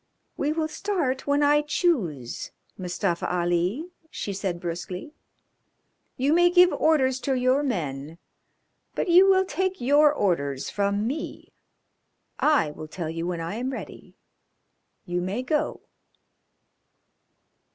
"We will start when I choose, Mustafa Ali," she said brusquely. "You may give orders to your men, but you will take your orders from me. I will tell you when I am ready. You may go."